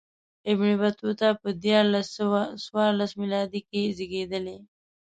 ابن بطوطه په دیارلس سوه څلور میلادي کې زېږېدلی.